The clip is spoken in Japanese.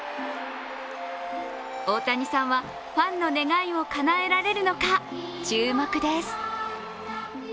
大谷さんはファンの願いをかなえられるのか注目です。